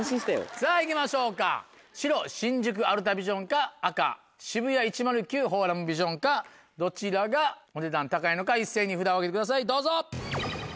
さぁいきましょうか白新宿アルタビジョンか紅渋谷１０９フォーラムビジョンかどちらがお値段高いのか一斉に札を上げてくださいどうぞ！